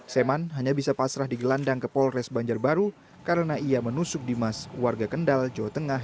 seman hanya bisa pasrah di gelandang ke polres banjarbaru karena ia menusuk di mas warga kendal jawa tengah